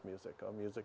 musik dari klasik